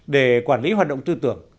để quản lý hoạt động tư tưởng